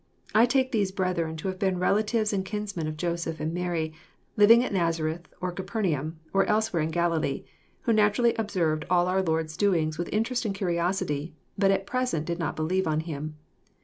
I take these " brethren " to have been relatives and kinsmen of Joseph and Mary, living at Nazareth, or Capernaum, or elsewhere in Galilee, — who naturally observed all our Lord's doings w'th interest and curiosity, but at present did not believe on Him.